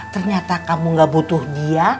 ternyata kamu gak butuh dia